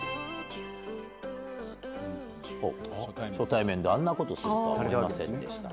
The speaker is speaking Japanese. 「初対面であんなことするとは思いませんでした」。